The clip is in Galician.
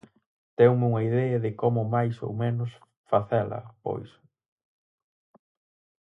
Deume unha idea de como máis o menos facela, pois.